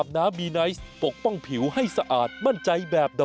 ใครเจอตะขาบอยู่ในหลอด